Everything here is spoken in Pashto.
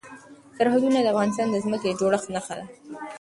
سرحدونه د افغانستان د ځمکې د جوړښت نښه ده.